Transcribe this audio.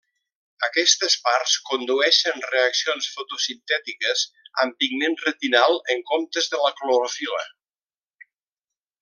Aquestes parts condueixen reaccions fotosintètiques amb pigment retinal en comptes de la clorofil·la.